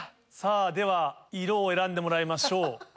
では色を選んでもらいましょう。